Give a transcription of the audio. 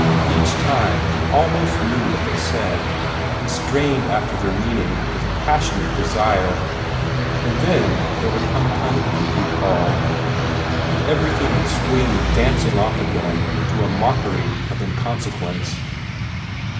Each time he almost knew what they said, and strained after their meaning with a passionate desire, and then there would come a kind of cuckoo call, and everything would swing dancing off again into a mockery of inconsequence.